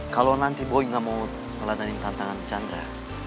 kalau nanti boy gak mau terladangin tantangan chandra